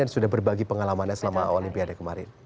dan sudah berbagi pengalamannya selama olimpiade kemarin